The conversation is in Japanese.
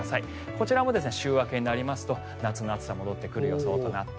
こちらも週明けになりますと夏の暑さが戻ってくると。